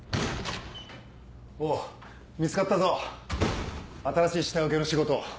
おぉ見つかったぞ新しい下請けの仕事。